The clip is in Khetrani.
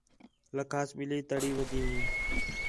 لَکھاس ٻلّھی تڑی ودی ہِے